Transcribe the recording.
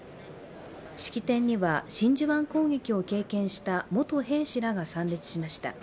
式典には真珠湾攻撃を経験した元兵士らが参列しました。